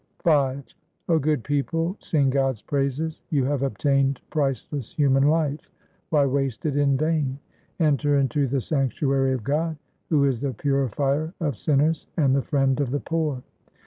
V O good people, sing God's praises : You have obtained priceless human life ; why waste it in vain ? Enter into the sanctuary of God who is the purifier of sinners and the friend of the poor.